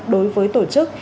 đối với tổ chức